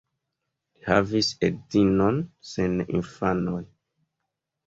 Li havis edzinon sen infanoj.